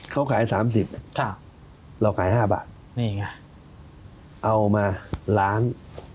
เขาขาย๓๐เราขาย๕บาทนี่ไงเอามาล้าง